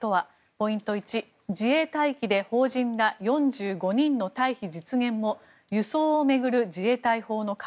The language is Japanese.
ポイント１、自衛隊機で邦人ら４５人の退避実現も輸送を巡る自衛隊法の壁。